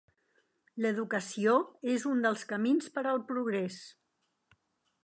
L'educació és un dels camins per al progrés.